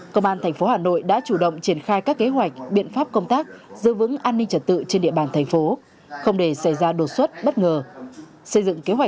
công an tp hà nội đã chủ động triển khai các kế hoạch biện pháp công tác giữ vững an ninh trật tự trên địa bàn thành phố không để xảy ra đột xuất bất ngờ